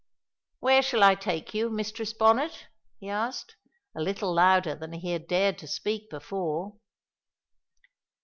"Where shall I take you, Mistress Bonnet?" he asked, a little louder than he had dared to speak before.